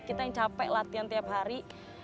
kita yang capek latihan tiap hari